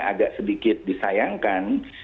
agak sedikit disayangkan